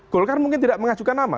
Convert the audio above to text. golkar mungkin tidak mengajukan nama